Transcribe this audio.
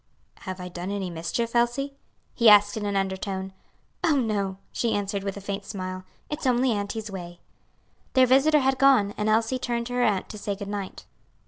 "Have I done any mischief, Elsie?" he asked in an undertone. "Oh, no!" she answered with a faint smile, "it's only auntie's way." Their visitor had gone, and Elsie turned to her aunt to say good night.